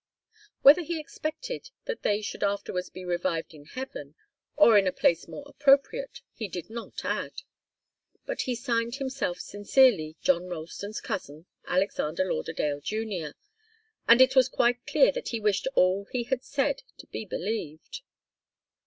Whether he expected that they should afterwards be revived in heaven, or in a place more appropriate, he did not add. But he signed himself sincerely John Ralston's cousin, Alexander Lauderdale Junior, and it was quite clear that he wished all he had said to be believed.